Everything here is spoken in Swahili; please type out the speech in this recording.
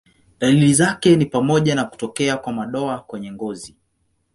Dalili zake ni pamoja na kutokea kwa madoa kwenye ngozi.